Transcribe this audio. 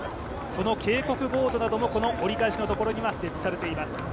その警告ボードなどもこの折り返しには設置されています。